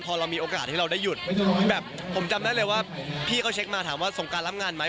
พอเรามีโอกาสที่เราได้หยุดแบบผมจำได้เลยว่าพี่เขาเช็คมาถามว่าสงการรับงานไหม